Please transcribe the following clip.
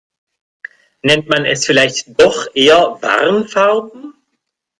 Nennt man es vielleicht doch eher Warnfarben?